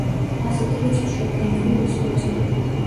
ასეთ რიცხვს შედგენილი რიცხვი ეწოდება.